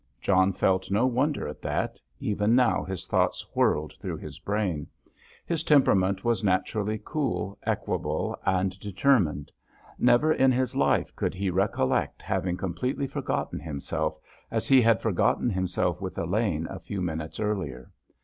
John felt no wonder at that; even now his thoughts whirled through his brain. His temperament was naturally cool, equable, and determined. Never in his life could he recollect having completely forgotten himself, as he had forgotten himself with Elaine a few minutes earlier.